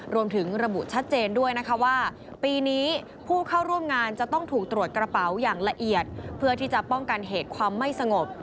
รวมถึงระบุชัดเจนด้วยนะคะว่าปีนี้ผู้เข้าร่วมงานจะต้องถูกตรวจกระเป๋าอย่างละเอียดเพื่อที่จะป้องกันเหตุความไม่สงบ